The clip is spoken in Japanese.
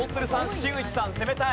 新内さん攻めたい。